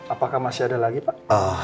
apakah masih ada lagi pak